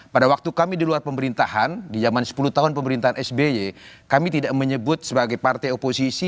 pada waktu kami di luar pemerintahan di zaman sepuluh tahun pemerintahan sby kami tidak menyebut sebagai partai oposisi